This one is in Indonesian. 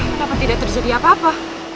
kenapa tidak terjadi apa apa